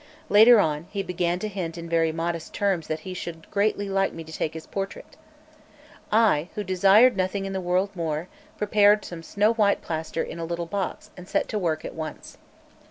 Later on, he began to hint in very modest terms that he should greatly like me to take his portrait. I, who desired nothing in the world more, prepared some snow white plaster in a little box, and set to work at once.